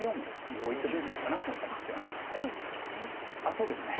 そうでもない！